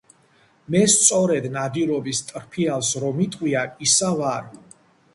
მე, სწორედ, ნადირობის ტრფიალს რომ იტყვინ, ისა ვარ.